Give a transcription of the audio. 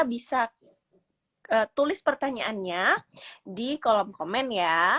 bisa tulis pertanyaannya di kolom komen ya